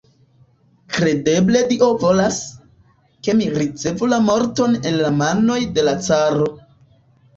Kredeble Dio volas, ke mi ricevu la morton el la manoj de la caro.